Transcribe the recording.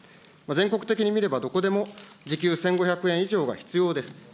全国的に見ればどこでも時給１５００円以上が必要です。